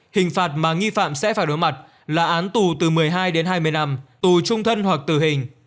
hình phạt mà nghi phạm sẽ phải đối mặt là án tù từ một mươi hai đến hai mươi năm tù trung thân hoặc tử hình